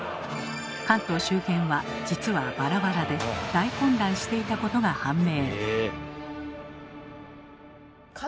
関東周辺は実はバラバラで大混乱していたことが判明。